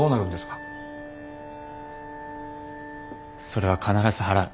それは必ず払う。